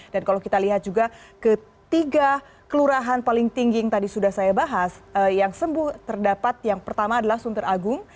dan kalau kita lihat juga ketiga kelurahan paling tinggi yang tadi sudah saya bahas yang sembuh terdapat yang pertama adalah suntar agung